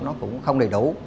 nó cũng không đầy đủ